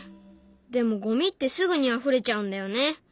でもゴミってすぐにあふれちゃうんだよね。